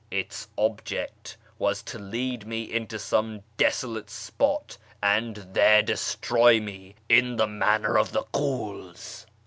Its object was to lead me into some desolate spot and there destroy me, after the manner of ghuls.